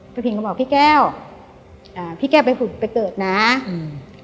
พี่พินก็บอกพี่แก้วอ่าพี่แก้วไปหุ่นไปเกิดนะอืม